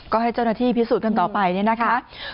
ก็ให้เจ้าหน้าที่พิสูจน์กันต่อไปเนี่ยนะคะ